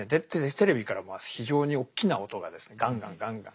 テレビから非常に大きな音がですねガンガンガンガン